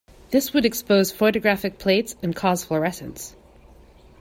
This would expose photographic plates and cause fluorescence.